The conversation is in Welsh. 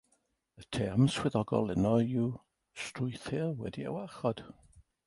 Y term swyddogol yno yw strwythur wedi'i warchod.